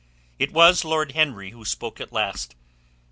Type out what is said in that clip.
It was Lord Henry who spoke at last.